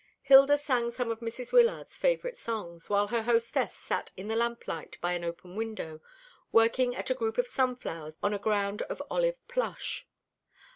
Hilda sang some of Mrs. Wyllard's favourite songs, while her hostess sat in the lamp light by an open window working at a group of sunflowers on a ground of olive plush.